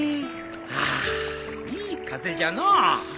ああいい風じゃのう。